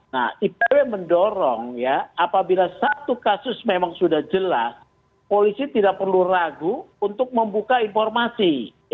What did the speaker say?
nah ipw mendorong ya apabila satu kasus memang sudah jelas polisi tidak perlu ragu untuk membuka informasi